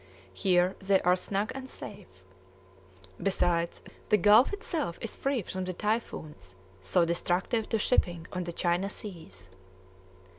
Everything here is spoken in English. Here they are snug and safe. Besides, the gulf itself is free from the typhoons so destructive to shipping on the China seas.